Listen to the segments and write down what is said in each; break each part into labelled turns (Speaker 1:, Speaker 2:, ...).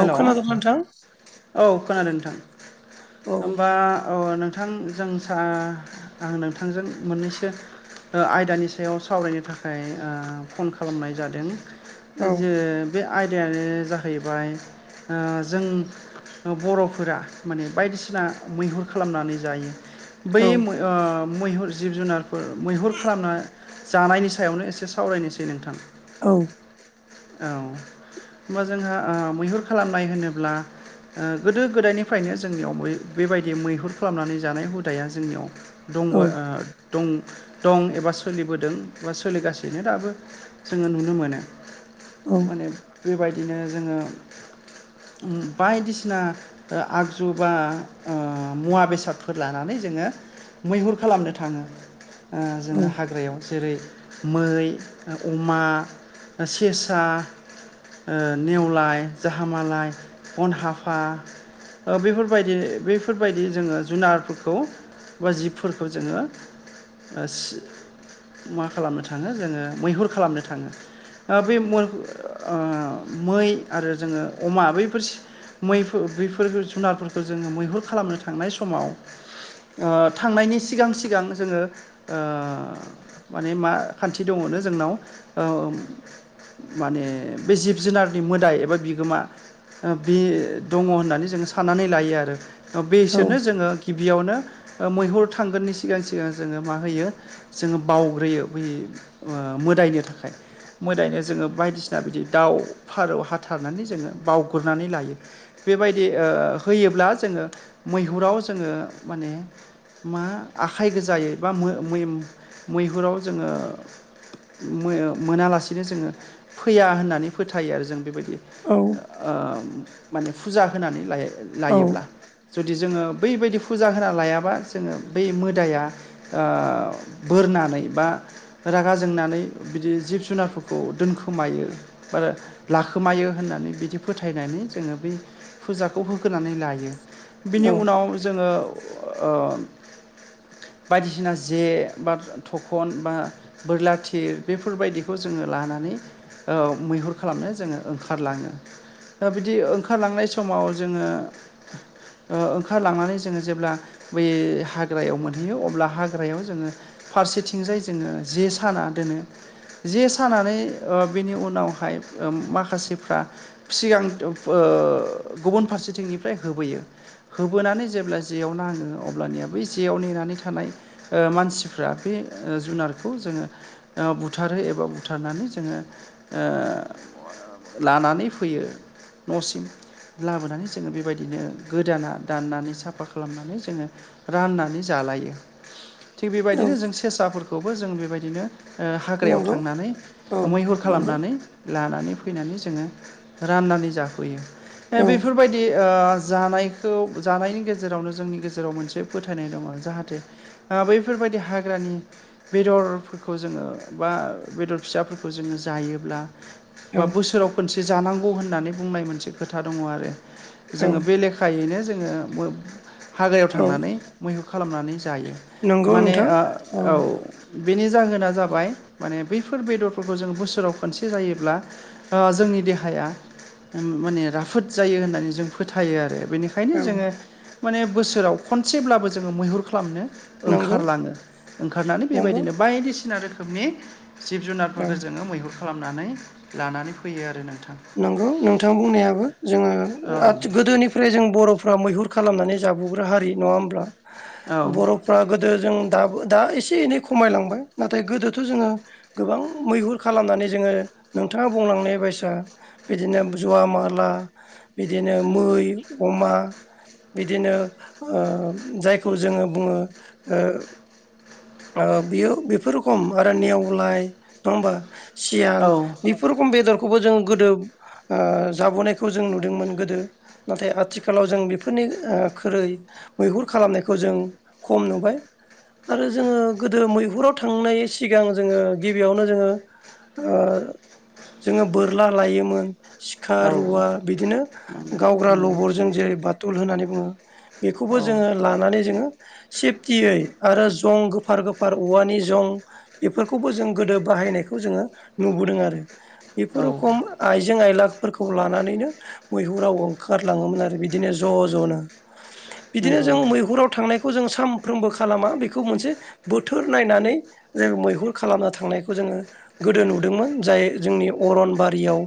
Speaker 1: औ खोनादों नोंथां
Speaker 2: औ खोनादों नोंथां
Speaker 1: औ
Speaker 2: होमबा औ नोंथ नोंथांजों स आं नोंथांजों मोननैसो आयदानि सायाव सावरायनो थाखाय फन खालामनाय जादों
Speaker 1: औ
Speaker 2: जे बे आयदायानो जाहैबाय जों बरफोरा माने बायदिसिना मैहुर खालामनानै जायो बै
Speaker 1: औ
Speaker 2: ओ मैहुर जिब जुनारफोर मैहुर खालामना जानायनि सायावनो एसे सावरायनोसै नोंथां
Speaker 1: औ
Speaker 2: औ होनबा जोंहा मैहुर खालामनाय होनोब्ला गोदो गोदायनिफ्रायनो जोंनियाव बेबायदि मैहुर खालामनानै जानाय हुदाया जोंनियाव
Speaker 1: औ
Speaker 2: दंबो ओ दं दं एबा सोलिबोदों बा सोलिगासिनो दाबो जोंङो नुनो मोनो
Speaker 1: औ
Speaker 2: माने बेबायदिनो जोंङो बायदिसिना आगजु बा मुवा बेसादफोर लानानै जों जोो मैहुर खालामनो थाङो जोंङो
Speaker 1: औ
Speaker 2: हाग्रायाव जेरै मै अमा सेसा नेवलाय जाहामालाय अन हाफा बेफोरबायदि बेफोरबायदि जोंङो जुनारफोरखौ बा जिफोरखौ जोंङो मा खालामनो थांङो जोंङो मैहुर खालामनो थांङो बे मै आरो जोंङो अमा बैफोर मैफोरो बेफोर जुनारफोरखौ जोङो मैहुर खालामनो थांनाय समाव थांनायनि सिगां सिगां जोङो माने मा खान्थि दङमोन। जोंनाव माने बे जिब जुनारनि मोदाय एबा बिगोमा बे दङ होननानै जोंङो सानो। नानै लायो आरो बेसोरनो जोङो गिबियावनो मैहुर थांगोननि सिगां सिगां जोङो मा होयो जोङो बावग्रोयो बै मोदायनो थाखाय मोदायनो जोङो बायदिसिना बिदि दाउ फारौ हाथारनानै जोङो बावग्रनानै लायो बेबायदि होयोब्ला जों जो मैहुराव जोङो माने मा आखाइ गोजाय बा मैहुराव जोङो मोनालासिनो जोङो फैया होननानै फोथायो आरो जों बेबायदि
Speaker 1: औ
Speaker 2: माने फुजा होनानै लाय
Speaker 1: औ
Speaker 2: लायोब्ला जुदि जदि जोङो बैबायदि फुजा होना लायाबा जोङो बै मोदाया बोरनानै नानै बा रागा जोंनानै बिदि जिब जुनारफोरखौ दोनखोमायो ब लाखोमायो होननानै बिदि फोथायनानै जोङो बै फुजाखौ होगोनानै लायो बिनि उनाव जोङो बायदिसिना जे बा थखन बा बोरला थिर बेफोरबायदिखौ जोङो लानानै मैहुर खालामनो जोङो ओंखारलाङो बिदि ओंखारलांनाय समाव जोङो ओंखारलांनानै जोङो जेब्ला बै हाग्रायाव मोनहैयो अब्ला हाग्रायाव जोङो फारसेथिंजाय जोङो जे सानानै दोनो जे सानानै बेनि उनाव बेवहाय माखासेफ्रा सिगां गुबुन फारसेथिंनिफ्राय होबोयो होबोनानै जेब्ला जेयाव नाङो अब्लानिया बै जेयाव नेनानै थानाय मानसि बे जुनारखौ जोङो बुथारो एबा बुथारनानै जोङो लानानै फैयो न'सिम लाबोनानै जोङो बेबायदिनो गोदाना दाननानै साफा खालामनानै जोङो राननानै जा लायो थिग
Speaker 1: औ
Speaker 2: बेबायदिनो जों सेसाफोरखौबो जों बेबायदिनो हाग्रायाव
Speaker 1: नंगौ
Speaker 2: थांनानै
Speaker 1: औ
Speaker 2: मैहुर
Speaker 1: नंगौ
Speaker 2: खालामनानै लानानै फैनानै जोङो राननानै जाफैयो
Speaker 1: औ
Speaker 2: बेफोरबायदि जानायखौ जानायनि गेजेरावनो जोंनि गेजेराव मोनसे फोथायनाय दङ जाहाथे बैफोर बेफोरबायदि हाग्रानि बेदरफोरखौ जोङो बा बेदर फिसाफोरखौ जोङो जायो अब्ला बा बोसोराव खनसे जानांगौ होननानै बुंनाय मोनसे खोथा दङ आरो
Speaker 1: औ
Speaker 2: जोङो बे लेखायैनो जोङो हाग्रायाव
Speaker 1: औ
Speaker 2: थांनानै मैहुर खालामनानै ज जायो
Speaker 1: नंगौ
Speaker 2: माने
Speaker 1: नोंथां
Speaker 2: औ बेनि जाहोना जाबाय माने बैफोर बेदरफोरखौ जोङो बोसोराव खनसे जायोब्ला जोंनि देहाया माने राफोद जायो होननानै जों फोथायो आरो। बेनिखायनो
Speaker 1: औ
Speaker 2: जोङो माने बोसोराव खनसेब्लाबो जोङो मैहुर खा खालामनो
Speaker 1: नंगौ
Speaker 2: ओंखारलाङो ओंखारनानै
Speaker 1: नंगौ
Speaker 2: बेबायदिनो बायदिसिना रोखोमनि जिब
Speaker 1: औ
Speaker 2: जुनारफोरखौ जोङो मैहुर खालामनानै लानानै फैयो आरो नोंथां।
Speaker 1: नंगौ नोंथां बुंनायाबो जोङो
Speaker 2: औ
Speaker 1: गोदोनिफ्राय जों बर'फ्रा मैहुर खालामनानै जाबोग्रा हारि नङा होनब्ला
Speaker 2: औ
Speaker 1: बर'फ्रा गोदो जों दाबो दा एसे एनै खमायलांबाय नाथाय गोदोथ' जोङो गोबां मैहुर खालामनानै जोङो नोंथाङा बुंलांनाय बायसा बिदिनो जवा माला बिदिनो मै अमा बिदिनो जायखौ जोङो बुङो बेयो बेफोर रोखोम आरो नेवलाय नङा होमबा सियाल बेफोर रोखोम बेदरखौबो जोङो गोदो जाबोनायखौ जों नुदोंमोन गोदो नाथाय आथिखालाव जों बेफोरनि ख्रै मैहुर खालामनायखौ जों खम नुबाय आरो। जोङो गोदो मैहुराव थांनाय सिगां जोङो गिबियावनो जोङो ओ जोङो बोरला लायोमोन। सिखा
Speaker 2: औ
Speaker 1: रुवा बिदिनो गावग्रा
Speaker 2: नंगौ
Speaker 1: लबरजों जेरै बाथुल होननानै बुङो। बेखौबो
Speaker 2: औ
Speaker 1: जोङो लानानै जोङो सेफटियै आरो जं गोफार गोफार औवानि जं बेफोरखौबो जों गोदो बाहायनायखौ जोङो नुबोदों आरो।
Speaker 2: औ
Speaker 1: बेफोर रखम आइजें आइला फोरखौ लानानैनो मैहुराव ओंखारलाङोमोन आरो बिदिनो ज' ज'नो। बिदिनो
Speaker 2: नंगौ
Speaker 1: जों मैहुराव थांनायखौ जों सानफ्रोमबो खालामा बि खौ मोनसे बोथोर नायनानै जों मैहुर खालामनो थांनायखौ जोङो गोदो नुदोंमोन जा य जोंनि अरनबारियाव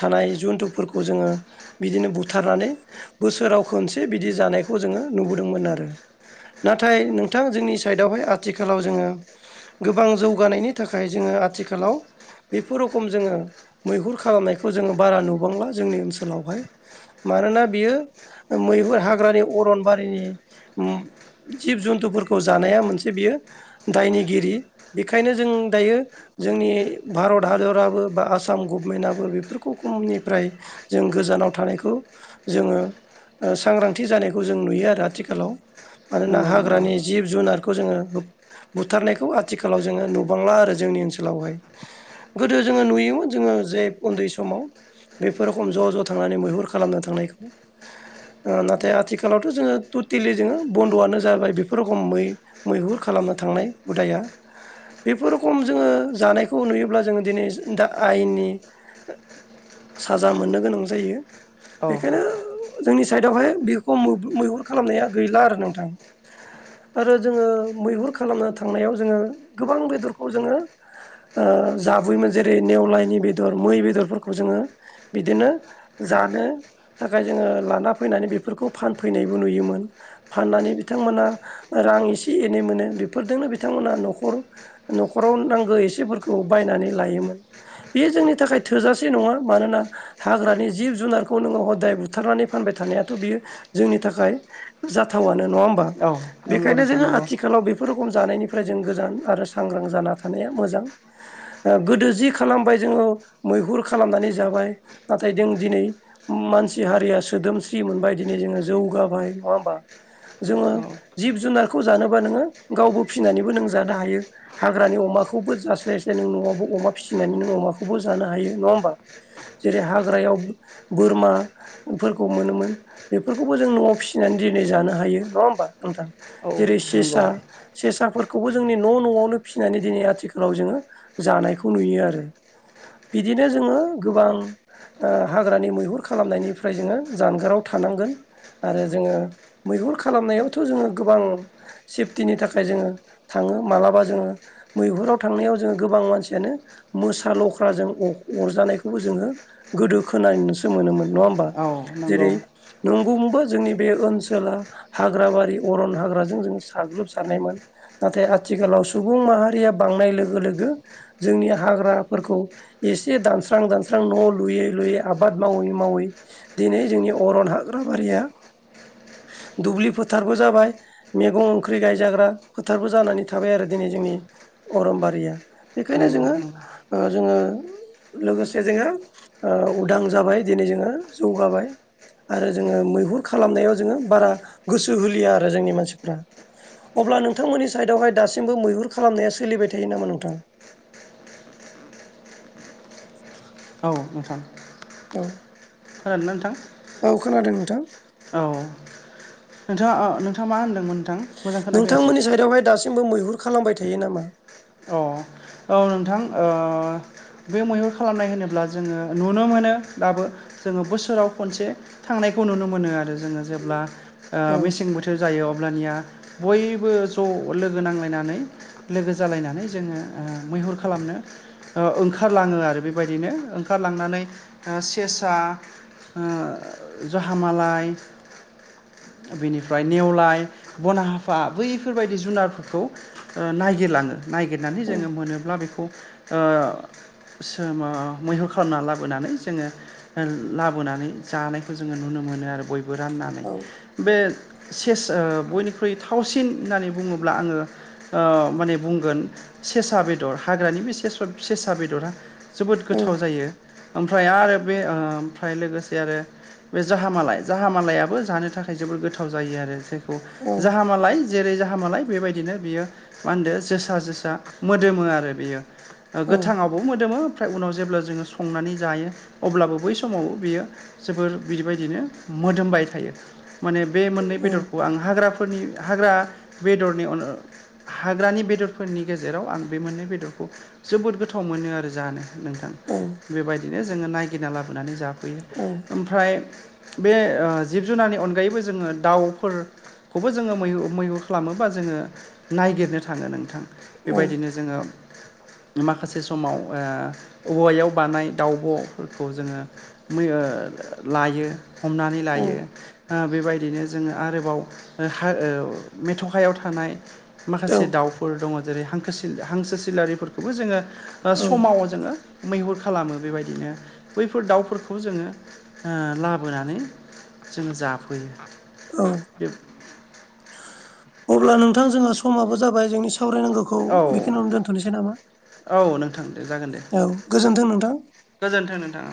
Speaker 1: थानाय जुन्थुफोरखौ जोङो बिदिनो बुथारनानै बोसोराव खनसे बिदि जानायखौ जोङो नुबोदोंमोन आरो नाथाय नोंथां जोंनि साइदआवहाय आथिखालाव जोङो गोबां जौगानायनि थाखाय जोङो आथिखालाव बेफोर रखम जोङो मैहुर खालामनायखौ जोङो बारा नुबांला जोंनि ओनसोलावहाय मानोना बियो मैहुर हाग्रानि अरनबारिनि उम जिब जुन्थुफोरखौ जानाया मोनसे बियो दायनिगिरि बेनिखायनो जों दायो जोंनि भारत हादराबो बा आसाम गभमेन्टआबो बेफोरखौ खमनिफ्राय जों गोजानाव थानायखौ जोङो ओ सांग्रांथि जानायखौ जों नुयो आरो आथिखालाव मानोना
Speaker 2: नंगौ नंगौ
Speaker 1: हाग्रानि जिब जुनारखौ जोङो बुथारनायखौ आथिखालाव जोङो नुबांला आरो जोंनि ओनसोलाव हाय। गोदो जोङो नुयोमोन जोङो जे उन्दै समाव बेफोर खम ज' ज' थांनानै मैहुर खालामनो थांनायखौ ओ नाथाय आथिखालावथ' जोङो टटेलि जोङो बन्द'आनो जाबाय बि फोर रखमै मैहुर खालामनो थांनाय हुदाया बेफोर खम जोङो जानायखौ नुयोब्ला जोङो दिनै दा आयेननि साजा मोननो गोनां जायो।
Speaker 2: औ
Speaker 1: बेखायनो जोंनि साइडआवहाय बेखो मोब मैहुर खालामनाया गैला आरो नोंथां।
Speaker 2: [inaudible]
Speaker 1: आरो जोङो मैहुर खालामनो थांनायाव जोङो गोबां बेदरखौ जोङो ओ जाबोयोमोन जेरै नेवलायनि बेदर मै बेदरफोरखौ जोङो बिदिनो जानो थाखाय जोङो लाना फैनानै बेफोरखौ फानफैनायबो नुयोमोन। फाननानै बिथांमोना रां एसे एनै मोनो बेफोरदोंनो बिथांमोना न'खर न'खराव नांगैय एसेफोरखौ बायनानै लोयोन बे जोंनि थाखाय थोजासे नङा मानोना हाग्रानि जिब जिब जुनारखौ नोङो हदाय बुथारनानै फानबाय थानायाथ' बियो जोंनि थाखाय जाथावनो नङा हो बा
Speaker 2: औ नंगौ
Speaker 1: बेखायनो
Speaker 2: नोंथां
Speaker 1: जोङो
Speaker 2: नंगौ
Speaker 1: आथिखालाव बेफोर खम जानायनिफ्राय जों गोजान आरो सांग्रां जाना थानाया मोजां। ओ गोदो जि खालामबाय जोङो मैहुर खालामनानै जाबाय नाथाय जों दिनै मानसि हारिया सोदोमस्रिमोन बायदिनो जोङो जौगाबाय नङा होमबा। जोङो
Speaker 2: औ
Speaker 1: जिब जुनारखौ जानोबा नोङो गावबो फिसिनानैबो नों जानो हायो हाग्रानि अमाखौ खौबो जास्लायस्लाय नों न'आवबो अमा फिसिनानै नों अमाखौबो जानो हायो ‌। नङा होमबा जेरै हाग्रायाव बोरमाफोरखौ मोनोमोन बेफोरखौबो जों न'आव फिसिनानै दिनै जानो हायो। नङा होमबा नोंथां
Speaker 2: औ
Speaker 1: जेरै
Speaker 2: नंगौ
Speaker 1: सेसा सेसाफोरखौबो जोंनि न' न'आवनो फिसिनानै दिनै आथि खालाव जोङो जानायखौ नुयो आरो बिदिनो जोङो गोबां ओ हाग्रानि मैहुर खालामनायनिफ्राय जोङो जानगाराव थानांगोन। आरो जोङो मैहुर खालामनायावथ' जोङो गोबां सेफटिनि थाखाय जोङो थाङो मालाबा जोङो मै हुराव थांनायाव जोङो गोबां मानसियानो मोसा लख्राजों अ-अरजानायखौबो जोङो गोदो खोनानसो मोनोमोन नङा होमबा
Speaker 2: औ नंगौ
Speaker 1: जेरै नंगौनोबा जोंनि बे ओनसोला हाग्राबारि अरन हाग्राजों जों साग्लोब सारनायमोन नाथाय आथिखालाव सुबुं माहारिया बां नाय लोगो लोगो जोंनि हाग्राफोरखौ एसे दानस्रां दानस्रां न' लुयै लुयै बे आबाद मावै मावै दिनै जोंनि अरन हाग्राबारिया
Speaker 2: [inaudible]
Speaker 1: दुब्लि फोथारबो जाबाय मैगं ओंख्रि गायजाग्रा फोथारबो जानानै थाबाय आरो दिनै जोंनि अरमबारिया बेखायनो
Speaker 2: नंगौ
Speaker 1: जोङो
Speaker 2: नंगौ
Speaker 1: ओ जोङो लोगोसे जोङो ओ उदां जाबाय दिनै जोङो जौगाबाय आरो जोङो मैहुर खालामनायाव जोङो बारा गोसो होलिया आरो जोंनि मानसिफ्रा अब्ला नोंथांमोननि साइदआवहाय दासिमबो मैहुर खालामनाया सोलिबाय थायो नामा नोंथां?
Speaker 2: [inaudible]
Speaker 1: औ
Speaker 2: खोनादों ना नोंथां
Speaker 1: थां
Speaker 2: औ नोंथाङा आ नोंङा मा होनदों
Speaker 1: नोंथांमोननि साइडआवहाय दासिमबो मैहुर खालामबाय थायो नामा?
Speaker 2: अ औ नोंथां ओ बे मैहुर खालामनाय होनोब्ला जोङो नुनो मोनो दाबो जोङो बोसोराव खनसे थांनाय खौ नुनो मोनो आरो जोङो जेब्ला ओ
Speaker 1: औ
Speaker 2: मेसें बोथोर जायो अब्लानिया बयबो ज' लोगो नांलायनानै लोगोसे जालायनानै जोङो मैहुर खालामनो ओ ओंखारलाङो आरो बेबायदिनो ओंखारांनानै सेसा ओ जाहामालाय [inaudible] बिनिफ्राय नेवलाय बनाहाफा बैफोरबायदि जुनारफोरखौ नागिरलाङो नायगिरनानै
Speaker 1: औ
Speaker 2: जोङो मोनोब्ला बेखौ ओ सोमो मैहुर खालामना लाबोनानै जोङो लाबोनानै जानायखौ जोङो नुनो मोनो नुनो मोनो आरो बयबो राननानै
Speaker 1: औ
Speaker 2: बे सेस बयनिख्रुइ थावसिन होननानै बुङोब्ला आङो ओ माने बुंगोन सेसा बेदर हाग्रानि बे सेसा बेदरा जोबोद गोथाव
Speaker 1: औ
Speaker 2: जायो ओमफ्राय आरो बे ओमफ्राय लोगोसे आरो बे जाहामालाय जाहामालायाबो जानो थाखाय जोबोर गोथाव जायो आरो जे
Speaker 1: औ
Speaker 2: जाहामालाय जेरै जाहामालाय बेबायदिनो बियो मा होनदो जोसा जोसा मोदोमो आरो बियो
Speaker 1: औ
Speaker 2: गोथाङावबो मोदोमो ओमफ्राय उनाव जेब्ला जोङो संनानै जायो अब्लाबो बै समाव बियो जोबोर बिदिबायदिनो मोदोमबाय थायो माने बे मोननै
Speaker 1: औ
Speaker 2: बेदरखौ आं हाग्राफोरनि हाग्रा बेदरनि हाग्रानि बे बेदरफोरनि गेजेराव आं बे मोननै बेदरखौ जोबोद गोथाव मोनो आरो जानो नोंथां बेबायदिनो जोङो नायगिना लाबोनानै जाफैयो
Speaker 1: औ
Speaker 2: ओमफ्राय बे जिब जुनारनि अनगायैबो जोङो दाउफोर खौबो जोङो मै मैहुर खालामोबा जोङो नायागिरनो थाङो नों बेबायदिनो जोङो माखासे समाव औवायाव बानाय दाउब'फोरखौ जोङो मै लायो हमनानै
Speaker 1: औ
Speaker 2: लायो ओ बेबायदिनो जोङो आरोबाव मेथ'खायाव थानाय माखासे दाउफोर दङ जेरै हांखोसो हांसो सिलारिफोरखौबो जोङो
Speaker 1: औ
Speaker 2: समाव जोङो मैहुर खालामो बेबायदिनो बैफोर दाउफोरखौ जोङो ओ लाबोनानै जों जाफैयो
Speaker 1: औ अब्ला नोंथां जोंहा समाबो जाबाय जोंनि सावरायनांगौखौ
Speaker 2: औ
Speaker 1: बेखिनियावनो दोनथ'नोसै नामा
Speaker 2: औ नोंथां दे जागोन दे
Speaker 1: औ गोजोन्थों नोंथां।
Speaker 2: गोजोनथों नोंथां